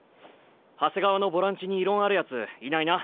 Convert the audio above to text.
長谷川のボランチに異論あるやついないな？